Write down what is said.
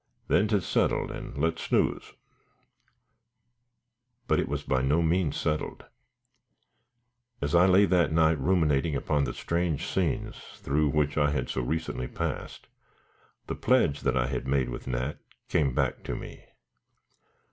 "Then 'tis settled, and let's snooze." But it was by no means settled. As I lay that night ruminating upon the strange scenes through which I had so recently passed, the pledge that I had made with Nat came back to me.